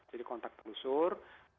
jadi kontak telusur